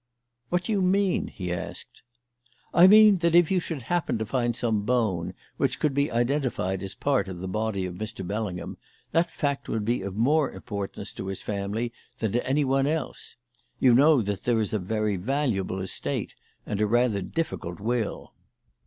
"What do you mean?" he asked. "I mean that if you should happen to find some bone which could be identified as part of the body of Mr. Bellingham, that fact would be of more importance to his family than to anyone else. You know that there is a very valuable estate and a rather difficult will."